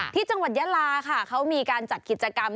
ที่จังหวัดยาลาค่ะเขามีการจัดกิจกรรม